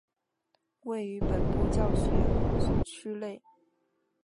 位于本部教学区内。